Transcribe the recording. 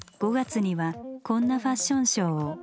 ５月にはこんなファッションショーを。